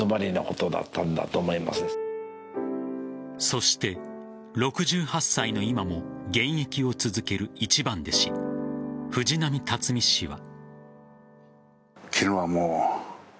そして６８歳の今も現役を続ける一番弟子藤波辰爾氏は。